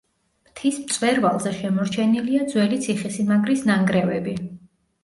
მთის მწვერვალზე შემორჩენილია ძველი ციხესიმაგრის ნანგრევები.